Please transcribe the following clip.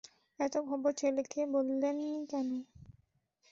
এত বড় খবর ছেলেকে বলেন নি?